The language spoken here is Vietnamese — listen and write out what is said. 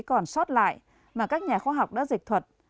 còn sót lại mà các nhà khoa học đã dịch thuật